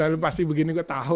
ah lu pasti begini gue tau